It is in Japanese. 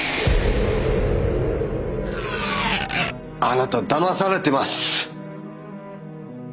あなただまされてます。